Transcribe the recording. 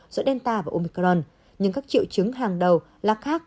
giữa delta và omicron nhưng các triệu chứng hàng đầu là khác